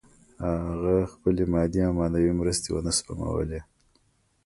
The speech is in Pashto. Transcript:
هغه خپلې مادي او معنوي مرستې ونه سپمولې